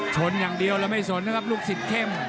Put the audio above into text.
ชนอย่างเดียวแล้วไม่สนนะครับลูกศิษย์เข้ม